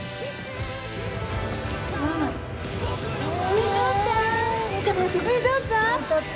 見とった？